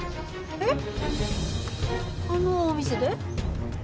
えっあのお店で？